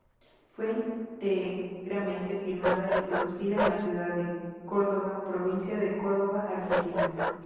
Fue íntegramente filmada y producida en la ciudad de Córdoba, provincia de Córdoba, Argentina.